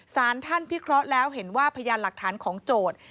สารท่านพิเคราะห์แล้วเห็นว่าพยานหลักฐานของโจทย์